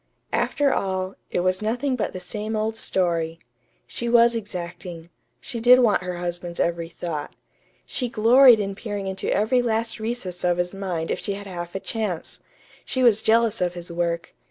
After all, it was nothing but the same old story. She was exacting. She did want her husband's every thought. She gloried in peering into every last recess of his mind if she had half a chance. She was jealous of his work.